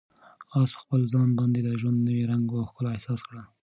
آس په خپل ځان باندې د ژوند نوی رنګ او ښکلا احساس کړه.